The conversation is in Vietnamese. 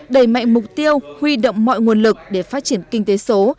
đẩy mạnh mục tiêu huy động mọi nguồn lực để phát triển kinh tế số